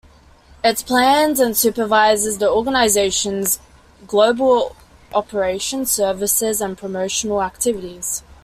It plans and supervises the organisation's global operations, services and promotional activities.